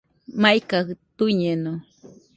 Maikajɨ tuiñeno